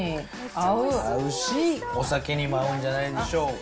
合うし、お酒にも合うんじゃないでしょうか。